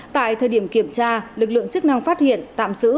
tại thời điểm kiểm tra lực lượng chức năng phát hiện tạm giữ